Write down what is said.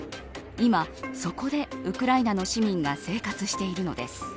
今、そこでウクライナの市民が生活しているのです。